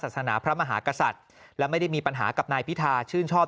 ศาสนาพระมหากษัตริย์และไม่ได้มีปัญหากับนายพิธาชื่นชอบ